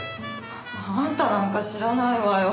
あんたなんか知らないわよ。